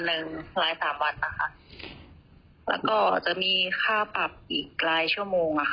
ลาย๓วันและค่าปรับอีกลายชั่วโมง